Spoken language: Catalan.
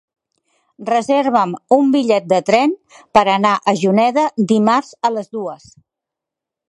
Reserva'm un bitllet de tren per anar a Juneda dimarts a les dues.